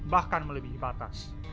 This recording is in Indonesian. bahkan melebihi batas